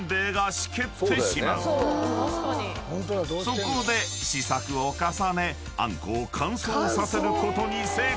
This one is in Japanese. ［そこで試作を重ねあんこを乾燥させることに成功］